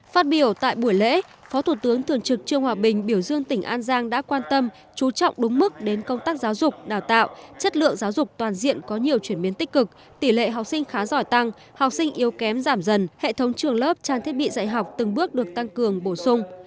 phát biểu tại buổi lễ phó thủ tướng thường trực trương hòa bình biểu dương tỉnh an giang đã quan tâm chú trọng đúng mức đến công tác giáo dục đào tạo chất lượng giáo dục toàn diện có nhiều chuyển biến tích cực tỷ lệ học sinh khá giỏi tăng học sinh yếu kém giảm dần hệ thống trường lớp trang thiết bị dạy học từng bước được tăng cường bổ sung